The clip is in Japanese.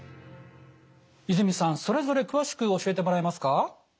泉さんそれぞれ詳しく教えてもらえますか？